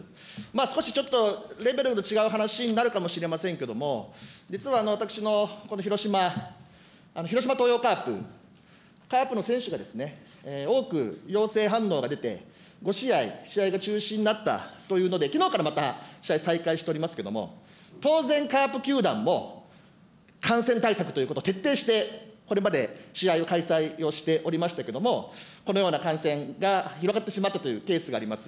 少しちょっと、レベルの違う話になるかもしれませんけれども、実は私のこの広島、広島東洋カープ、カープの選手が多く陽性反応が出て、５試合、試合が中止になったということで、きのうからまた試合再開しておりますけれども、当然、カープ球団も、感染対策ということ、徹底してこれまで試合を開催をしておりましたけども、このような感染が広がってしまったというケースがあります。